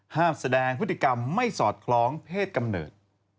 แสดงพฤติกรรมไม่สอดคล้องเพศกำเนิด